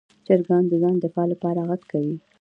چرګان د ځان دفاع لپاره غږ کوي.